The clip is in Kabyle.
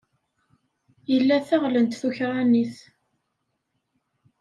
Ila taɣlent tukṛanit.